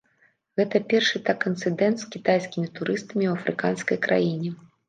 Гэта першы так інцыдэнт з кітайскімі турыстамі ў афрыканскай краіне.